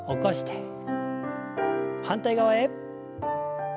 反対側へ。